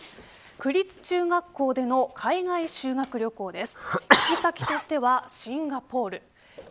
区立中学校での海外修学旅行です。